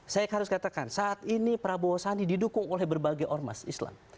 saya harus katakan saat ini prabowo sandi didukung oleh berbagai ormas islam